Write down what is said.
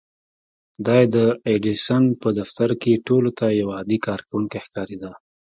دی د ايډېسن په دفتر کې ټولو ته يو عادي کارکوونکی ښکارېده.